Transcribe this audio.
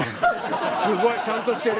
すごい！ちゃんとしてる。